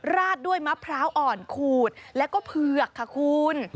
ราดด้วยมะพร้าวอ่อนขูดแล้วก็เผือกค่ะคุณ